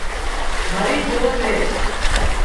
مرِي جھو سي